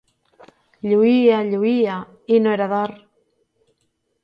Lluïa, lluïa i no era d'or.